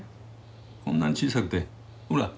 こんなに小さくてほら。